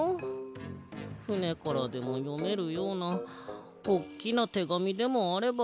ふねからでもよめるようなおっきなてがみでもあればな。